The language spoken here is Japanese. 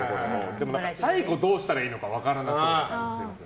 でも、最後どうしたらいいのか分からなそうな感じがするんです。